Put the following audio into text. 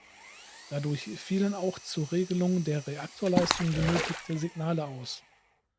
Dadurch fielen auch zur Regelung der Reaktorleistung benötigte Signale aus.